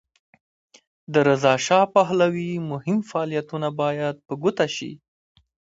د رضاشاه پهلوي مهم فعالیتونه باید په ګوته شي.